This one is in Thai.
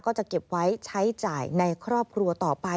ก็จะเก็บไว้ใช้จ่ายในครอบครัวต่อไป